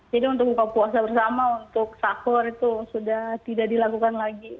jadi untuk buka puasa bersama untuk syahor itu sudah tidak dilakukan lagi